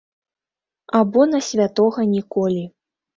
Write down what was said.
Або на святога ніколі.